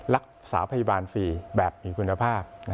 รักษาพยาบาลฟรีแบบมีคุณภาพ